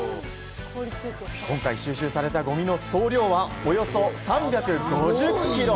今回収集されたゴミの総量はおよそ３５０キロ。